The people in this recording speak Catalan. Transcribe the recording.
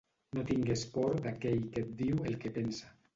No tingues por d'aquell que et diu el que pensa.